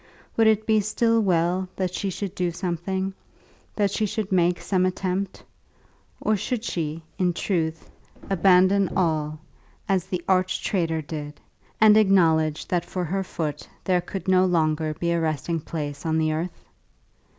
Would it be still well that she should do something, that she should make some attempt; or should she, in truth, abandon all, as the arch traitor did, and acknowledge that for her foot there could no longer be a resting place on the earth?